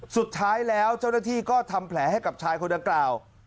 สุดท้ายแล้วเจ้าหน้าที่ก็ทำแผลให้กับชายคนดังกล่าว